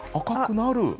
赤くなる。